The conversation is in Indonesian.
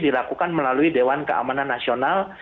dilakukan melalui dewan keamanan nasional